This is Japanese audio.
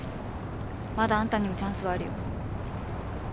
まだあんたにもチャンスはあるよ。